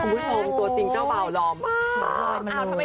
คุณผู้ชมตัวจริงเจ้าบ่าวหลอมมาก